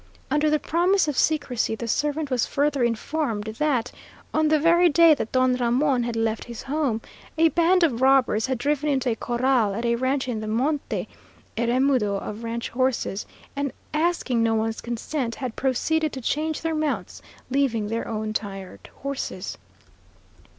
Under the promise of secrecy, the servant was further informed that, on the very day that Don Ramon had left his home, a band of robbers had driven into a corral at a ranch in the monte a remudo of ranch horses, and, asking no one's consent, had proceeded to change their mounts, leaving their own tired horses.